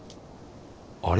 あれ？